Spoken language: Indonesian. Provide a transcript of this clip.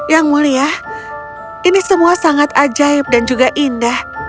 yang mulia ini semua sangat ajaib dan juga indah